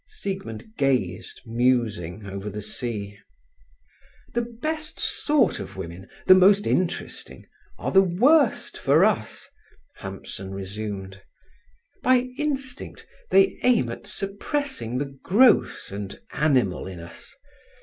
Siegmund gazed, musing, over the sea. "The best sort of women—the most interesting—are the worst for us," Hampson resumed. "By instinct they aim at suppressing the gross and animal in us.